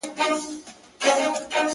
o زه دي باغ نه وينم، ته وا تارو درغلی.